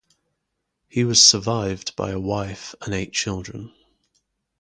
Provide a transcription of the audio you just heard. He was survived by a wife and eight children.